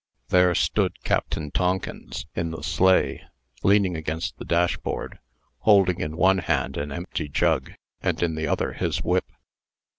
There stood Captain Tonkins, in the sleigh, leaning against the dashboard, holding in one hand an empty jug, and in the other his whip.